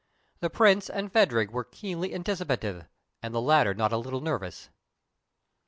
The Prince and Phadrig were keenly anticipative, and the latter not a little nervous.